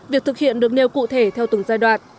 việc thực hiện được nêu cụ thể theo từng giai đoạn